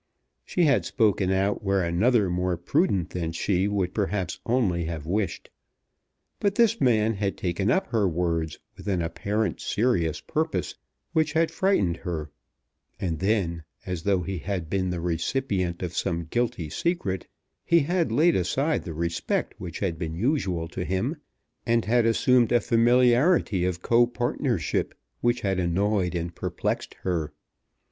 She had spoken out where another more prudent than she would perhaps only have wished. But this man had taken up her words with an apparently serious purpose which had frightened her; and then, as though he had been the recipient of some guilty secret, he had laid aside the respect which had been usual to him, and had assumed a familiarity of co partnership which had annoyed and perplexed her.